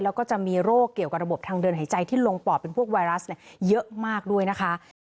แล้วก็จะมีโรคเกี่ยวกับระบบทางเดินหายใจที่ลงปอดเป็นพวกไวรัสเยอะมากด้วยนะคะ